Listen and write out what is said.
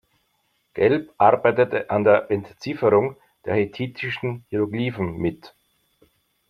Gelb arbeitete an der Entzifferung der hethitischen Hieroglyphen mit.